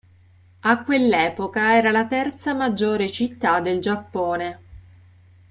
A quell'epoca era la terza maggiore città del Giappone.